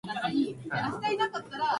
教科書には載っていない